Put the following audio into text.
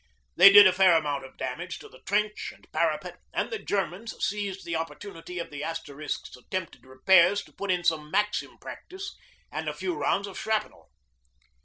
They did a fair amount of damage to the trench and parapet, and the Germans seized the opportunity of the Asterisks' attempted repairs to put in some maxim practice and a few rounds of shrapnel.